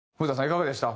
いかがでした？